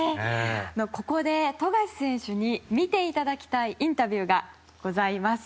ここで富樫選手に見ていただきたいインタビューがございます。